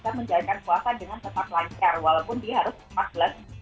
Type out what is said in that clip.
walaupun dia harus maksles